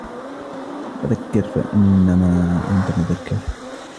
فَذَكِّرْ إِنَّمَا أَنْتَ مُذَكِّرٌ